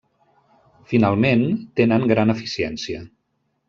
Finalment, tenen gran eficiència.